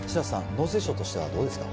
農水省としてはどうですか？